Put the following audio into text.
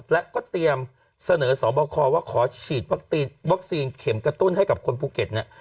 และก็เตรียมเสนอสอบคอว่าขอฉีดวัคซีนเข็มกระตุ้นให้กับคนภูเก็ตเนี่ย